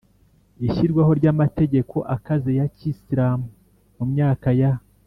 ishyirwaho ry’amategeko akaze ya kisilamu mu myaka ya